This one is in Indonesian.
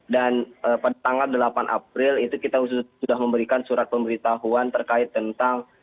dan pada tanggal delapan april itu kita sudah memberikan surat pemberitahuan terkait tentang